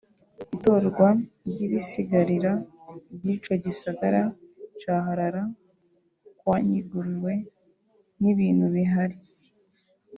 Itorwa ry'ibisigarira vy'ico gisagara ca Harlaa kwanyeguruwe n'ibintu bihari